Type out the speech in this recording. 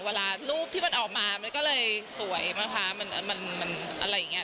เวลารูปที่มันออกมามันก็เลยสวยมั้งคะมันอะไรอย่างนี้